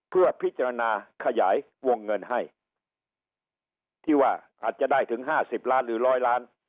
เพื่อพิจารณาขยายวงเงินให้ที่ว่าอาจจะได้ถึงห้าสิบล้านหรือร้อยล้าน